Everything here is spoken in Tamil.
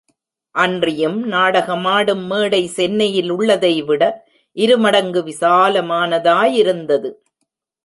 அன்றியும் நாடகமாடும் மேடை சென்னையிலுள்ளதைவிட, இரு மடங்கு விசாலமானதாயிருந்தது.